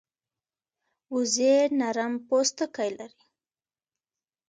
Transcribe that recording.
وزې نرم پوستکی لري